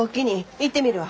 行ってみるわ。